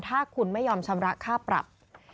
ถ้าคุณไม่ยอมชำระค่าปรับ